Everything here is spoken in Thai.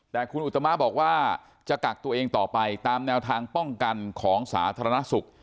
แต่คุณอุตมะบอกว่าจะกักตัวเองต่อไปตามแนวทางป้องกันของสาธารณสุข